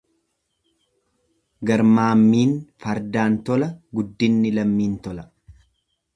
Garmaammiin fardaan tola guddinni lammiin tola.